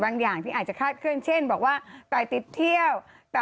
อย่างที่อาจจะคาดเคลื่อนเช่นบอกว่าตายติดเที่ยว